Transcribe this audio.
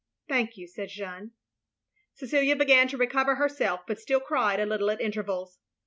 "Thank you, '* said Jeanne. Cecilia began to recover herself, but still cried a little at intervals.